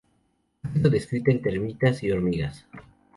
Ha sido descrita en termitas y hormigas.